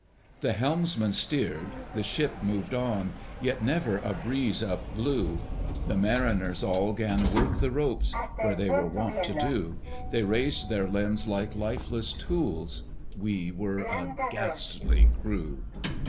The helmsman steered, the ship moved on; Yet never a breeze up blew; The mariners all 'gan work the ropes, Where they were wont to do: They raised their limbs like lifeless tools We were a ghastly crew.